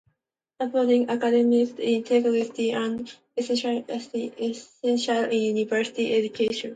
Upholding academic integrity and ethical standards is essential in university education.